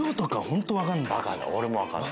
俺も分かんない。